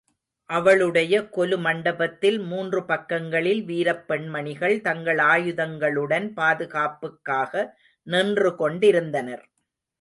அவளுடைய கொலுமண்டபத்தில் மூன்று பக்கங்களில் வீரப் பெண்மணிகள் தங்கள் ஆயுதங்களுடன் பாதுகாப்புக்காக நின்றுகொண்டிருந்தனர்.